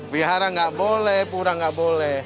wihara nggak boleh pura nggak boleh